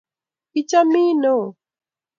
kichamin neo